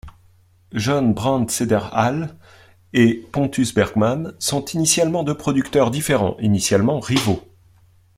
Jon Brandt-Cederhäll et Pontuz Bergman sont initialement deux producteurs différents initialement rivaux.